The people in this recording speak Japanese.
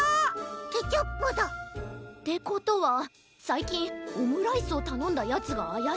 ケチャップだ！ってことはさいきんオムライスをたのんだヤツがあやしいな。